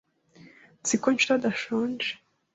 Nzi ko Nshuti adashonje.